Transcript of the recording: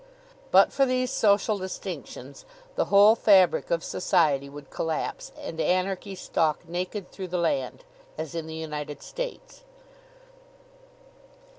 But for these social distinctions, the whole fabric of society would collapse and anarchy stalk naked through the land as in the United States.